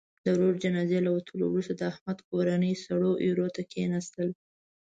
د ورور جنازې له وتلو وروسته، د احمد کورنۍ سړو ایرو ته کېناستل.